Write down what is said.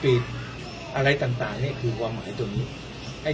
เพราะว่าเดี๋ยวเห็นการบินการหมาไอ